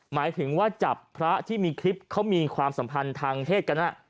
หมายถึงว่าจับพระที่มีคลิปเขามีความสัมพันธ์ทางเพศกัน